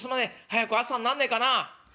早く朝になんねえかな」。